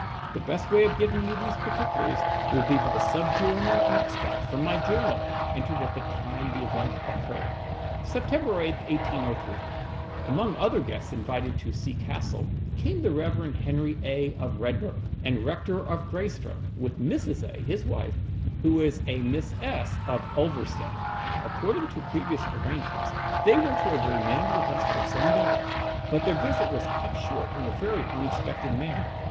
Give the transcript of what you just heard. "The best way of giving you these particulars, will be by subjoining an extract from my journal, entered at the time the event occurred. "SEPT. 8, 1803.—Among other guests invited to C—— castle, came the Rev. Henry A——, of Redburgh, and rector of Greystoke, with Mrs. A——, his wife, who was a Miss S——, of Ulverstone. According to previous arrangements, they were to have remained with us for some days; but their visit was cut short in a very unexpected manner.